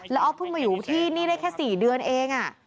แล้วออฟเพิ่งมาอยู่ที่นี่ได้แค่๔เดือนเอง